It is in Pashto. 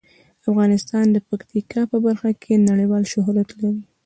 افغانستان د پکتیکا په برخه کې نړیوال شهرت لري.